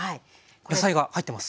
野菜が入ってますね。